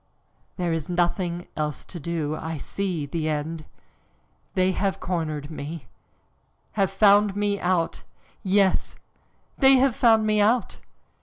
"There is nothing else to do I see the end. They have cornered me, have found me out! Yes, they have found me out!"